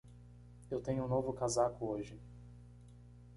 Eu tenho um novo casaco hoje.